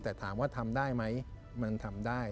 แต่ถามว่าทำได้ไหมมันทำได้